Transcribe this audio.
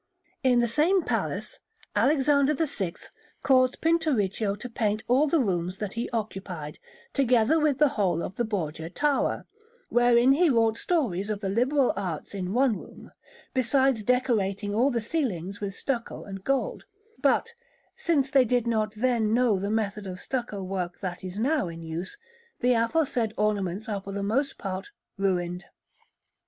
In the same palace Alexander VI caused Pinturicchio to paint all the rooms that he occupied, together with the whole of the Borgia Tower, wherein he wrought stories of the liberal arts in one room, besides decorating all the ceilings with stucco and gold; but, since they did not then know the method of stucco work that is now in use, the aforesaid ornaments are for the most part ruined.